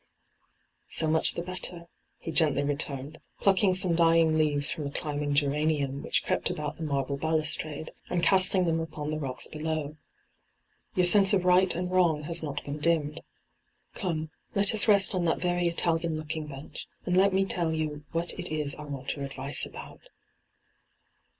' So much the better,' he gently returned, plucking some dying leaves from a climbing geranium which crept about the marble balustrade, and casting them upon the rocks below.' ' Your sense of right and wrong has not been dimmed. Come, let us rest on that very Italian looking bench, and let me tell you what it is I want your advice about.'